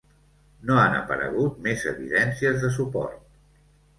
No han aparegut més evidències de suport.